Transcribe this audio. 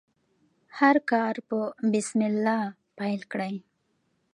هر کار په بسم الله پیل کړئ.